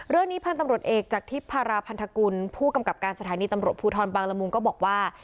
เรื่องนี้พันธุ์ตำรวจเอกจากทิพย์พาราพันธกุลผู้กำกับการสถานีตำรวจภูทรบางละมุงก็บอกว่า